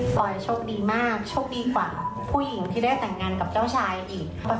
รอยโชคดีมากโชคดีกว่าผู้หญิงที่ได้แต่งงานกับเจ้าชายอีก